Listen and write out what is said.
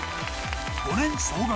５年総額